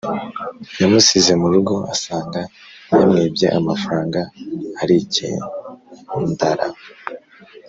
Yamusize murugo asanga yamwibye amafaranga arijyendara